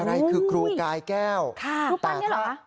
อะไรคือกรูกายแก้วแต่ครับ